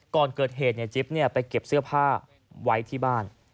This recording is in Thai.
ก่อนเกิดเหตุจิ๊บไปเก็บเสื้อผ้าไว้ที่บ้าน